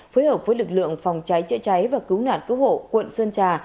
phối hợp với lực lượng phòng cháy chữa cháy và cứu nạn cứu hộ quận sơn trà